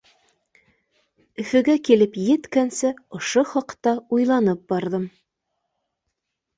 Өфөгә килеп еткәнсе ошо хаҡта уйланып барҙым.